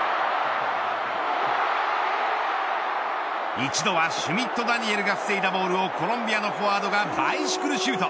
一度はシュミット・ダニエルが防いだボールをコロンビアのフォワードがバイシクルシュート。